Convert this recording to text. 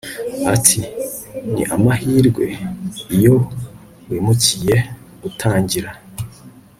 Ati Ni amahirwe iyo wimukiye gutangira